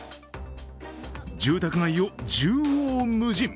住宅街を縦横無尽。